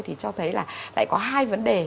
thì cho thấy là lại có hai vấn đề